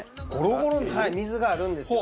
水があるんですよ。